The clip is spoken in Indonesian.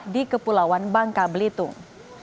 di kepulauan bangka belitung